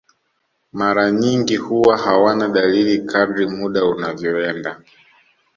Mara nyingi huwa hawana dalili kadri muda unavyoenda